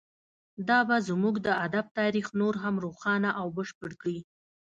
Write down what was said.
دا به زموږ د ادب تاریخ نور هم روښانه او بشپړ کړي